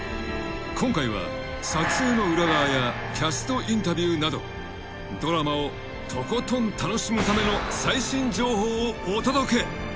［今回は撮影の裏側やキャストインタビューなどドラマをとことん楽しむための］